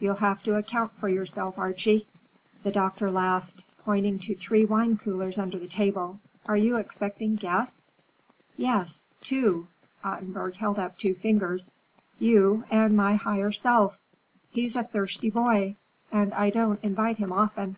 You'll have to account for yourself, Archie." The doctor laughed, pointing to three wine coolers under the table. "Are you expecting guests?" "Yes, two." Ottenburg held up two fingers,—"you, and my higher self. He's a thirsty boy, and I don't invite him often.